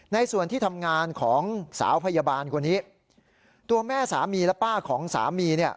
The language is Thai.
ในส่วนที่ทำงานของสาวพยาบาลคนนี้ตัวแม่สามีและป้าของสามีเนี่ย